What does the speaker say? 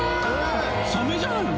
サメじゃないの？